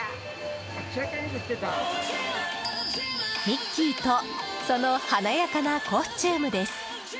ミッキーとその華やかなコスチュームです。